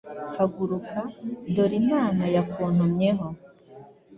Haguruka, dore Imana yakuntumyeho.